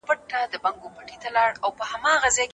د معلولینو لپاره باید د زده کړي زمینه برابره وي.